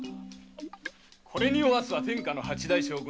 これにおわすは天下の八代将軍